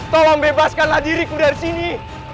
tolong bebaskanlah diriku dari sini